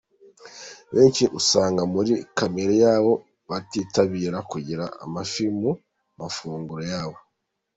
Benshi usanga muri kamere yabo batitabira kugira amafi mu mafunguro yabo.